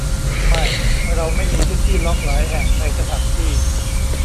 ไม่เราไม่มีพื้นที่ล็อคหลายแห่งในสถานที่